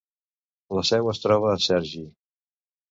La seu es troba a Cergy.